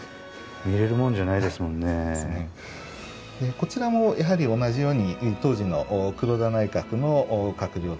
こちらもやはり同じように当時の黒田内閣の閣僚たち。